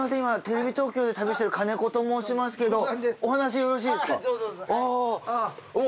今テレビ東京で旅してる金子と申しますけどお話よろしいですか？